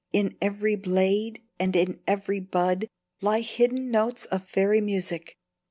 "In every blade and in every bud lie hidden notes of fairy music.